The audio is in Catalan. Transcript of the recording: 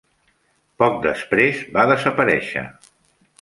Poc després va desaparèixer.